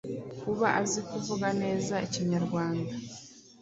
Kuba azi kuvuga neza ikinyarwanda